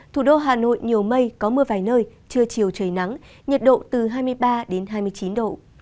thủ đô hà nội nhiều mây có mưa vài nơi trưa chiều trời nắng nhiệt độ từ hai mươi ba đến hai mươi chín độ